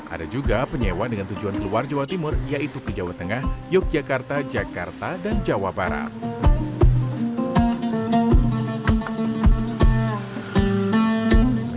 ada juga penyewa dengan tujuan keluar jawa timur yaitu ke jawa tengah yogyakarta jakarta dan jawa barat